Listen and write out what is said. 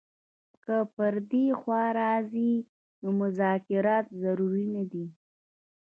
که پر دې خوا راځي نو مذاکرات ضرور نه دي.